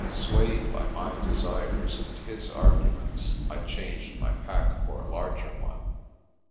Swayed by my desires and his arguments, I changed my pack for a larger one.